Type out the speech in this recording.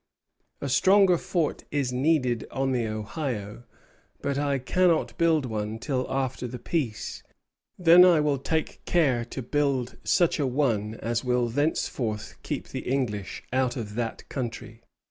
"A stronger fort is needed on the Ohio; but I cannot build one till after the peace; then I will take care to build such a one as will thenceforth keep the English out of that country."